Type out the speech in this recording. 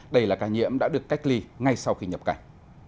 đây là ca nhiễm đã được cách ly ngay sau khi nhập cảnh